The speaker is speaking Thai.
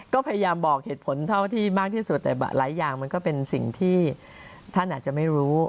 ก็พยายามบอกเหตุผลเท่าที่มากที่สุดแต่หลายอย่างมันก็เป็นสิ่งที่ท่านอาจจะไม่รู้